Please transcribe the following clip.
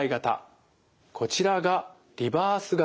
こちらがリバース型です。